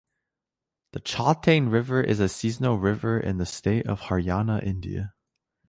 The Chautang river is a seasonal river in the state of Haryana, India.